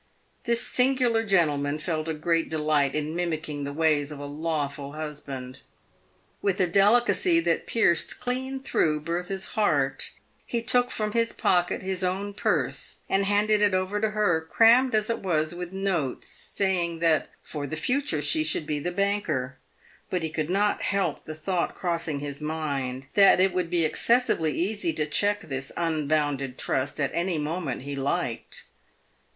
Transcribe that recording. This singular gentleman felt a great delight in mimicking the ways of a lawful hus band. "With a delicacy that pierced clean through Bertha's heart, he PAVED WITH GOLD. 397 took from his pocket bis own purse, and handed it over to her, crammed as it was with notes, saying, "That for the future she should be the banker." But he could not help the thought crossing his mind, that it would be excessively easy to check this unbounded trust at any moment he liked.